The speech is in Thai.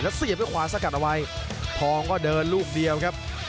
เสียบด้วยขวาสกัดเอาไว้ทองก็เดินลูกเดียวครับ